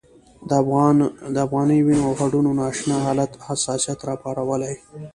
د افغاني وینو او هډونو نا اشنا حالت حساسیت راپارولی.